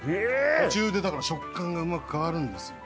途中でだから食感がうまく変わるんですよ。